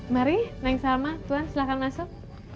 mari nang salma tuan silahkan masuk